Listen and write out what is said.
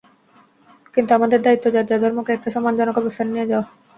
কিন্তু আমাদের দায়িত্ব যার যার ধর্মকে একটা সম্মানজনক অবস্থানে নিয়ে যাওয়া।